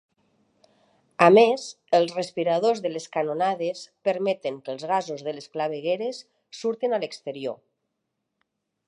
A més, els respiradors de les canonades permeten que els gasos de les clavegueres surtin a l'exterior.